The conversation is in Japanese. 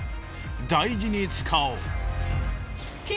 大事に使おう！